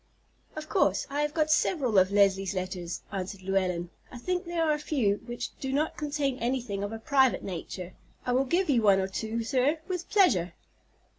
"Of course I have got several of Leslie's letters," answered Llewellyn. "I think there are a few which do not contain anything of a private nature. I will give you one or two, sir, with pleasure."